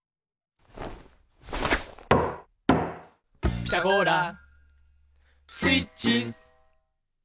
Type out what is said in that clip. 「ピタゴラスイッチ」